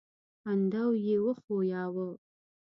کندو يې وښوياوه.